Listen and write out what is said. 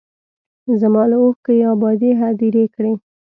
زما له اوښکو یې ابادې هدیرې کړې